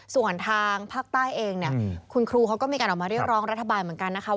ส่วนทางภาคใต้เองเนี่ยคุณครูเขาก็มีการออกมาเรียกร้องรัฐบาลเหมือนกันนะคะ